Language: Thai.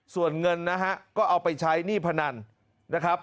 ส่วนเงินนะฮะก็เอาไปใช้หนี้พนันนะครับ